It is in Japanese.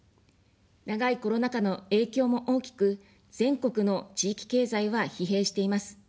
長いコロナ禍の影響も大きく、全国の地域経済は疲弊しています。